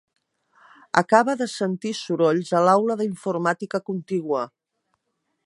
Acaba de sentir sorolls a l'aula d'informàtica contigua.